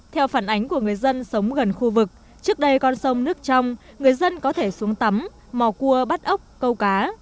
theo phản ánh của người dân sống gần khu vực trước đây con sông nước trong người dân có thể xuống tắm mò cua bắt ốc câu cá